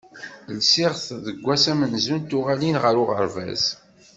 Lsiɣ-t deg wass amenzu n tuɣalin ɣer uɣerbaz.